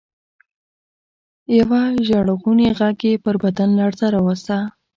يوه ژړغوني غږ يې پر بدن لړزه راوسته.